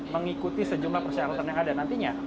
mengikuti sejumlah persyaratan yang ada nantinya